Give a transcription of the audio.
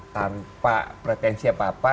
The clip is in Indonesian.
tanpa pretensi apa apa